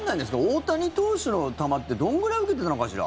大谷投手の球ってどんぐらい受けてたのかしら。